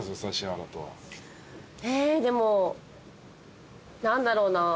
えでも何だろうな。